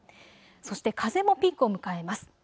そして風もピークを迎えます。